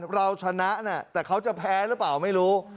เราชนะแต่เขาจะแพ้หรือเปล่าไม่รู้